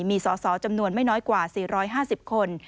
มีสอสอจำนวนไม่น้อยกว่า๔๕๐คน